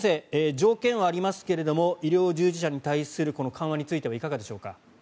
条件はありますけれども医療従事者に対する緩和についてはいかがでしょうか。